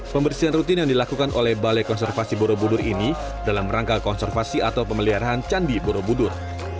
pembersihan rutin yang dilakukan oleh balai konservasi borobudur ini dalam rangka konservasi atau pemeliharaan candi borobudur